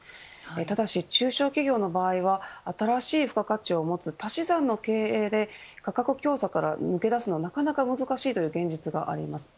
ただし中小企業の場合は新しい付加価値を持つ足し算の経営で価格競争から抜け出すのはなかなか難しいという現実があります。